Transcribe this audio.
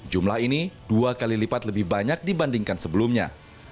jumlah ini dua kali lipat lebih banyak dibandingkan sebelumnya